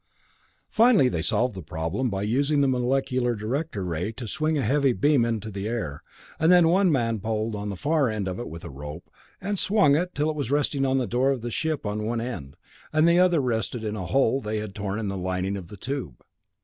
Finally they solved the problem by using the molecular director ray to swing a heavy beam into the air, then one man pulled on the far end of it with a rope, and swung it till it was resting on the door of the ship on one end, and the other rested in a hole they had torn in the lining of the tube.